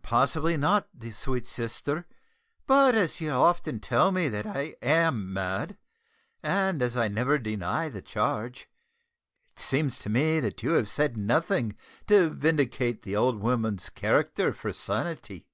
"Possibly not, sweet sister, but as you often tell me that I am mad, and as I never deny the charge, it seems to me that you have said nothing to vindicate the old woman's character for sanity."